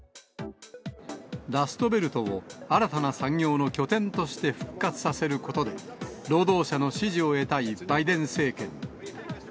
ラストベルトを新たな産業の拠点として復活させることで、労働者の支持を得たいバイデン政権。